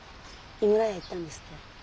井村屋行ったんですって？